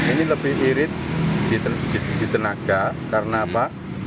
ini lebih irit di tenaga karena apa